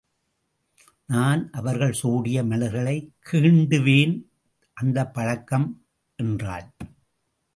நான் அவர்கள் சூடிய மலர்களைக் கீண்டுவேன் அந்தப் பழக்கம் என்றான்.